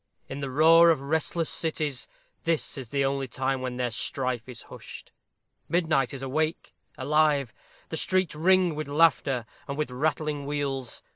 In the roar of restless cities, this is the only time when their strife is hushed. Midnight is awake alive; the streets ring with laughter and with rattling wheels.